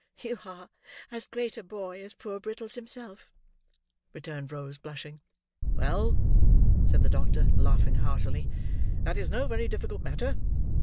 "You are as great a boy as poor Brittles himself," returned Rose, blushing. "Well," said the doctor, laughing heartily, "that is no very difficult matter.